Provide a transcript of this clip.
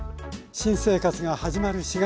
新生活が始まる４月。